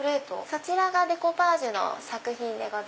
そちらがデコパージュの作品です。